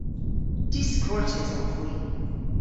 Diskortes owgh hwi.